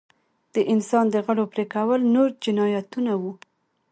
د انسان د غړو پرې کول نور جنایتونه وو.